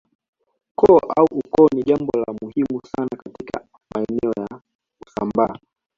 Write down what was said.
Koo au ukoo ni jambo la muhimu sana katika maeneo ya Usambaa